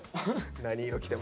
何色着てもね。